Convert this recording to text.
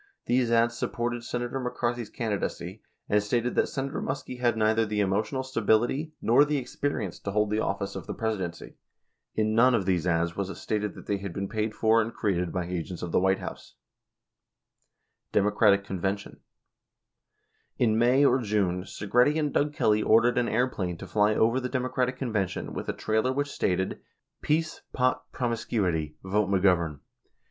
98 These ads sup ported Senator McCarthy's candidacy, and stated that Senator Muskie had neither the emotional stability nor the experience to hold the of fice of the Presidency. In none of these ads was it stated that they had been paid for and created by agents of the White House. Democratic Convention: In May or June, Segretti and Doug Kelly ordered an airplane to fly over the Democratic Convention with a trailer which stated, "Peace, Pot, Promiscuity. Vote McGovern."